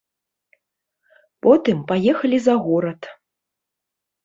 Потым паехалі за горад.